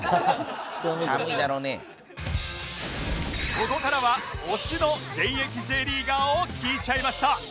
ここからは推しの現役 Ｊ リーガーを聞いちゃいました